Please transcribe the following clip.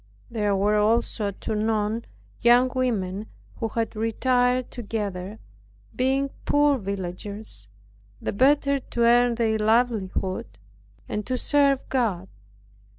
There were also at Tonon young women who had retired together, being poor villagers, the better to earn their livelihood and to serve God.